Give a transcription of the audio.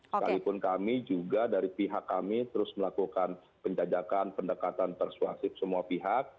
sekalipun kami juga dari pihak kami terus melakukan penjajakan pendekatan persuasif semua pihak